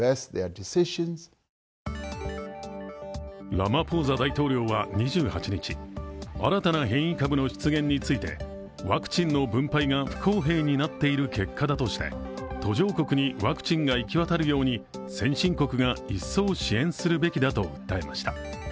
ラマポーザ大統領は２８日新たな変異株の出現についてワクチンの分配が不公平になっている結果だとして途上国にワクチンが行き渡るように先進国が一層支援すべきだと訴えました。